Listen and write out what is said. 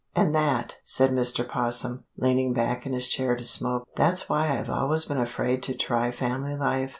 "And that," said Mr. 'Possum, leaning back in his chair to smoke, "that's why I've always been afraid to try family life.